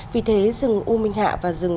vì thế rừng u minh hạ và rừng